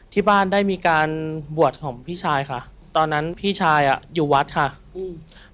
ที่บ้านได้มีการบวชของพี่ชายค่ะตอนนั้นพี่ชายอ่ะอยู่วัดค่ะอืม